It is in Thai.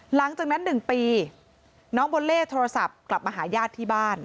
หลังจากนั้น๑ปีน้องโบเล่โทรศัพท์กลับมาหาญาติที่บ้าน